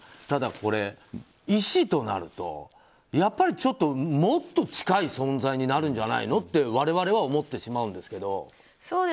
ただ、これ医師となると、やっぱりもっと近い存在になるんじゃないのと我々は思ってしまうんですけど。